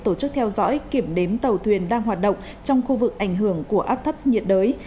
tổ chức theo dõi kiểm đếm tàu thuyền đang hoạt động trong khu vực ảnh hưởng của áp thấp nhiệt đới